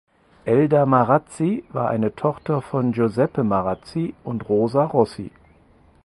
Elda Marazzi war eine Tochter von Giuseppe Marazzi und Rosa Rossi.